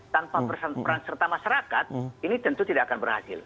tanpa peran serta masyarakat ini tentu tidak akan berhasil